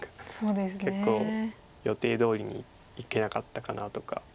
結構予定どおりにいけなかったかなとか。